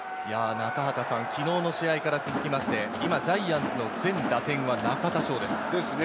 昨日の試合から続きまして、今、ジャイアンツの全打点は中田翔です。